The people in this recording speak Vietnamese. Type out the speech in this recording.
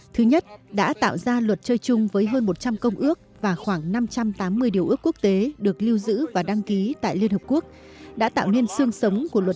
thứ nhất đã tạo ra luật chơi chung với hơn một trăm linh công ước và khoảng năm trăm tám mươi điều kiện